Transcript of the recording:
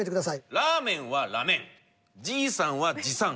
ラーメンはラメンじーさんはじさん